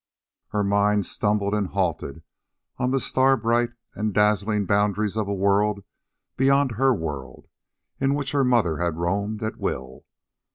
Her mind stumbled and halted on the star bright and dazzling boundaries of a world beyond her world in which her mother had roamed at will.